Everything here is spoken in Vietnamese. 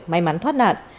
may mắn thoát nạn